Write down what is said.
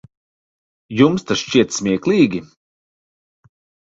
Jums tas šķiet smieklīgi?